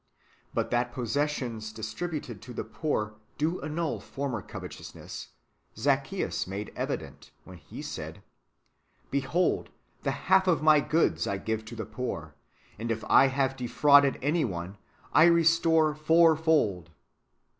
But that possessions distributed to the poor do annul former covet ousness, Zaccheus made evident, when he said, " Behold, the half of my goods I give to the poor ; and if I have defrauded any one, I restore fourfold."